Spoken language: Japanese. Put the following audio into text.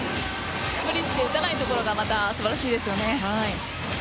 無理して押さないところがまた素晴らしいですよね。